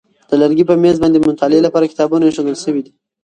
د لرګي په مېز باندې د مطالعې لپاره کتابونه ایښودل شوي دي.